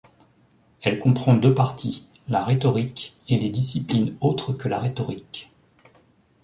Elle comprend deux parties: la rhétorique et les disciplines autres que la rhétorique.